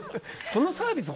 そのサービス